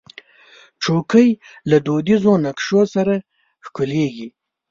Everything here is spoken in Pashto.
چوکۍ له دودیزو نقشو سره ښکليږي.